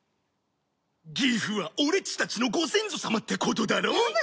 ギフは俺っちたちのご先祖様ってことだろ？